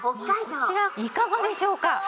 こちらいかがでしょうか？